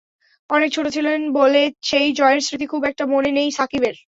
অনেক ছোট ছিলেন বলে সেই জয়ের স্মৃতি খুব একটা মনে নেই সাকিবের।